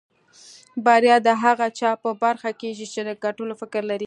بريا د هغه چا په برخه کېږي چې د ګټلو فکر لري.